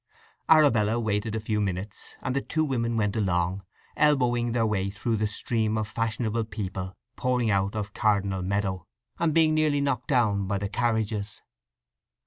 Arabella waited a few minutes; and the two women went along, elbowing their way through the stream of fashionable people pouring out of Cardinal meadow, and being nearly knocked down by the carriages.